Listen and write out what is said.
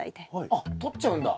あっ取っちゃうんだ。